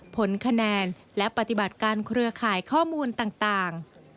ผลคะแนนและปฏิบัติการเครือข่ายข้อมูลต่าง